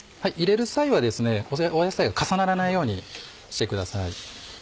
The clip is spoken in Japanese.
入れる際は野菜が重ならないようにしてください。